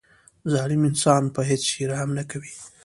ظالم انسان په هیڅ شي رحم نه کوي.